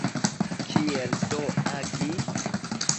Kiel do agi?